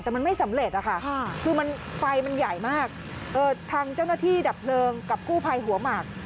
แต่มันไม่สำเร็จอะค่ะคือมันไฟมันใหญ่มากทางเจ้าหน้าที่ดับเพลิงกับกู้ภัยหัวหมาก